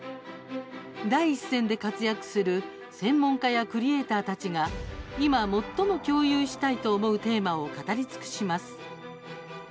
第一線で活躍する専門家やクリエーターたちが今、最も「共有したい」と思うテーマを語り尽くします。